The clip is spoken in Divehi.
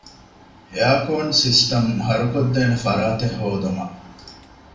އެއާރކޯން ސިސްޓަމް ހަރުކޮށްދޭނެ ފަރާތެއް ހޯދުމަށް